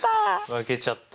負けちゃった。